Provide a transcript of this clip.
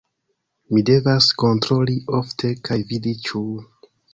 Mi devas kontroli ofte kaj vidi ĉu...